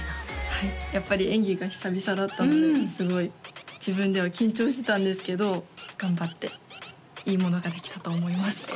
はいやっぱり演技が久々だったのですごい自分では緊張してたんですけど頑張っていいものができたと思います